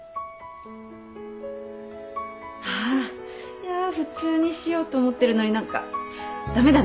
いや普通にしようと思ってるのに何か駄目だね。